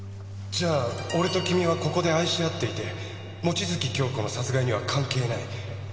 じゃあ俺と君はここで愛し合っていて望月京子の殺害には関係ない。